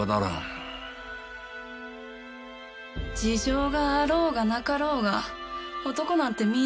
事情があろうがなかろうが男なんてみんな一緒だよ。